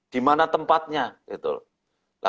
di mana tempatnya